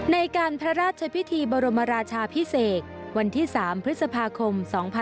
ในการพระราชพิธีบรมราชาพิเศษวันที่๓พฤษภาคม๒๕๖๒